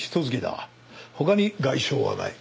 他に外傷はない。